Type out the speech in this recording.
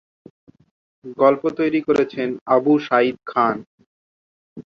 গল্প তৈরি করেছেন আবু সাঈদ খান।